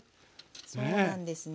そうなんですね